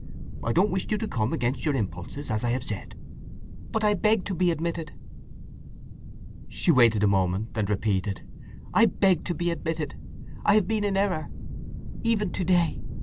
I don't wish you to come against your impulses, as I have said." "But I beg to be admitted." She waited a moment, and repeated, "I beg to be admitted! I have been in error—even to day.